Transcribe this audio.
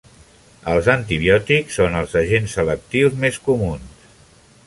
Els antibiòtics són els agents selectius més comuns.